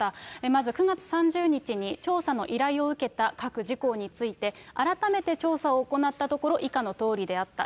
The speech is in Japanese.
まず９月３０日に、調査の依頼を受けた各事項について、改めて調査を行ったところ、以下のとおりであった。